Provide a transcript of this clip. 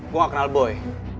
gue gak kenal boy